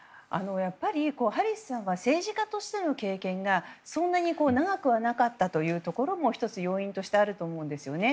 やはりハリスさんは政治家としての経験がそんなに長くはなかったというところも１つ、要因としてあると思うんですよね。